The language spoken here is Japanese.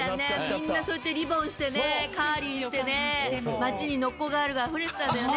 みんなそうやってリボンしてねカーリーしてね街にＮＯＫＫＯガールがあふれてたんだよね